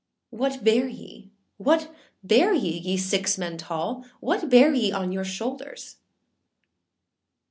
âWhat bear ye, what bear ye, ye six men tall? What bear ye on your shouldèrs?